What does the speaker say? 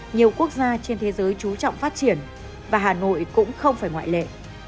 nhiều quốc gia trên thế giới trú trọng phát triển và hà nội cũng không phải ngoại lệ